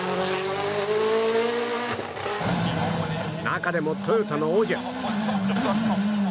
中でもトヨタのオジェ。